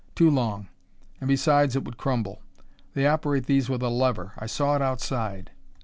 Too long, and besides it would crumble. They operate these with a lever; I saw it outside."